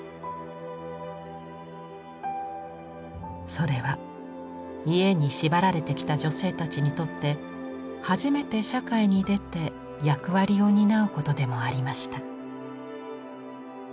それは家に縛られてきた女性たちにとって初めて社会に出て役割を担うことでもありました。